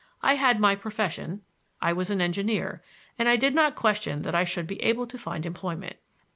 I had my profession; I was an engineer, and I did not question that I should be able to find employment.